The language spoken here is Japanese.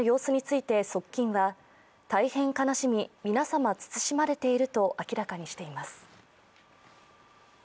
ご一家の様子について側近は、大変悲しみ、皆様つつしまれていると明らかにしています。